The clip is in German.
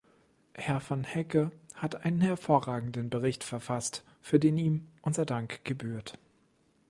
Herr van Hecke hat einen hervorragenden Bericht verfasst, für den ihm unser Dank gebührt.